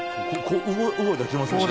動いたりしてますもんね。